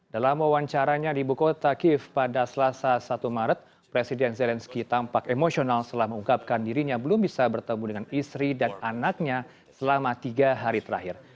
dalam wawancaranya di bukota kiev pada selasa satu maret presiden zelensky tampak emosional setelah mengungkapkan dirinya belum bisa bertemu dengan istri dan anaknya selama tiga hari terakhir